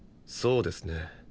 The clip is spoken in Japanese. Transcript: そうですね。